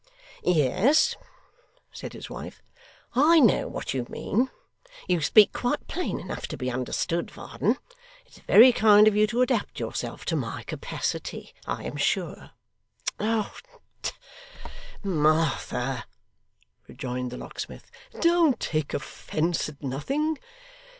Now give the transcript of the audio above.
'Yes,' said his wife, 'I know what you mean. You speak quite plain enough to be understood, Varden. It's very kind of you to adapt yourself to my capacity, I am sure.' 'Tut, tut, Martha,' rejoined the locksmith; 'don't take offence at nothing.